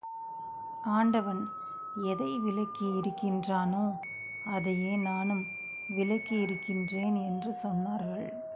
ஆண்டவன் எதை விலக்கி இருக்கின்றானோ, அதையே நானும் விலக்கி இருக்கின்றேன் என்று சொன்னார்கள்.